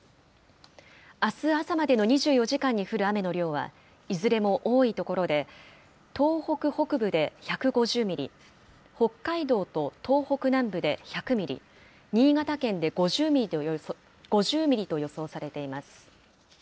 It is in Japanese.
あす朝までの２４時間に降る雨の量は、いずれも多い所で東北北部で１５０ミリ、北海道と東北南部で１００ミリ、新潟県で５０ミリと予想されています。